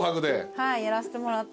はいやらせてもらって。